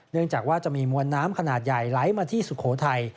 จากว่าจะมีมวลน้ำขนาดใหญ่ไหลมาที่สุโขทัย